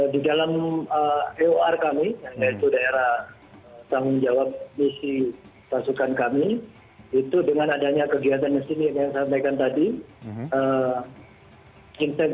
di dalam ar kami yaitu daerah tanggung jawab misi pasukan kami itu dengan adanya kegiatan mesin yang saya sampaikan tadi